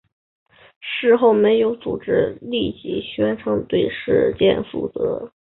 事后没有组织立即宣称对事件负责。